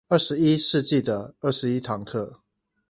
二十一世紀的二十一堂課